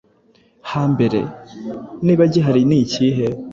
hambere? Niba gihari ni ikihe?